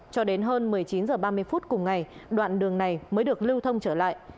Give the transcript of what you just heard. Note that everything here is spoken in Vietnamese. cho đến hơn một mươi chín h ba mươi phút cùng ngày đoạn đường này mới được lưu thông trở lại